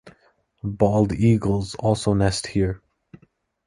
Bald eagles also nest here.